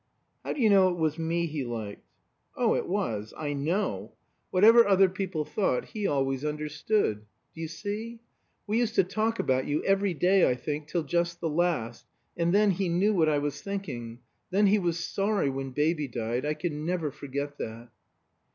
"How do you know it was me he liked?" "Oh, it was; I know. Whatever other people thought, he always understood. Do you see? We used to talk about you, every day I think, till just the last and then, he knew what I was thinking. Then he was sorry when baby died. I can never forget that."